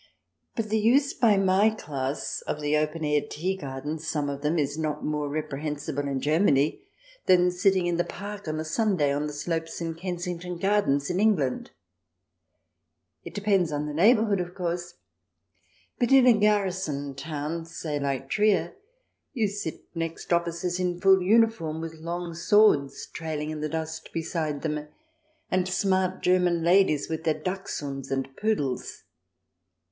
But the use by my class of the open air tea gardens, some of them, is not more reprehensible in Germany than sitting in the park on a Sunday, on the slopes in Kensington Gardens in England. It depends on the neighbourhood, of course, but in a garrison town, say, like Trier, you sit next officers in full uniform with long swords trailing in the dust beside them, and smart German ladies with their dachshunds and poodles.